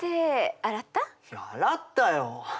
洗ったよ？